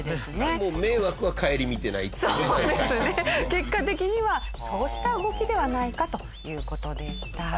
結果的にはそうした動きではないかという事でした。